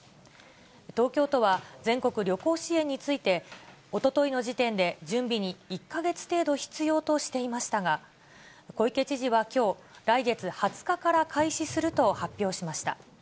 東京都は、全国旅行支援について、おとといの時点で、準備に１か月程度必要としていましたが、小池知事はきょう、来月２０日から開始すると発表しました。